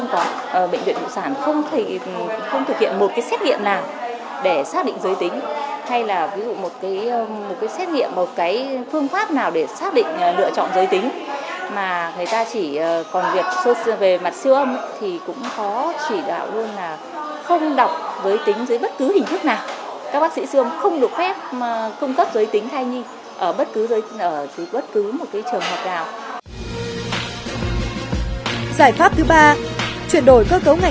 giải pháp thứ ba chuyển đổi cơ cấu ngành nghề và đảm bảo an sinh xã hội